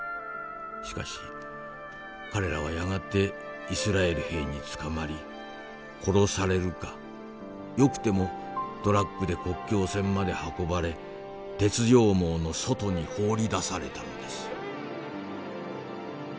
しかし彼らはやがてイスラエル兵に捕まり殺されるかよくてもトラックで国境線まで運ばれ鉄条網の外に放り出されたのです」。